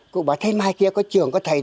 cụ bảo thế mai kia có trường có thầy